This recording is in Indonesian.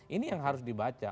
ini yang harus dibaca